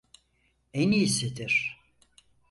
En iyisidir.